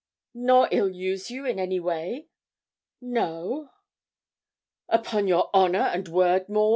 'Nor ill use you in any way?' 'No.' 'Upon your honour and word, Maud?'